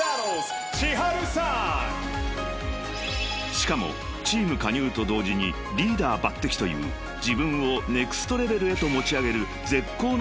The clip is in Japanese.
［しかもチーム加入と同時にリーダー抜てきという自分をネクストレベルへと持ち上げる絶好のチャンスを得たのです］